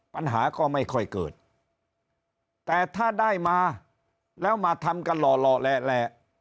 ปัญหาก็ไม่ค่อยเกิดแต่ถ้าได้มาแล้วมาทำกันหล่อแหละ